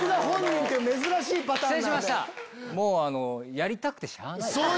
やりたくてしゃあない。